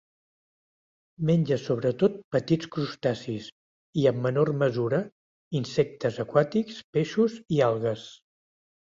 Menja sobretot petits crustacis i, en menor mesura, insectes aquàtics, peixos i algues.